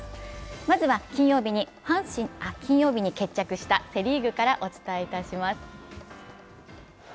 まずは金曜日に決着したセ・リーグからお伝えします。